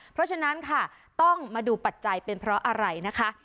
เพราะฉะนั้นค่ะต้องมาดูปัจจัยเป็นเพราะอะไรนะคะ